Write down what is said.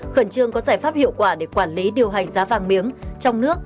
khẩn trương có giải pháp hiệu quả để quản lý điều hành giá vàng miếng trong nước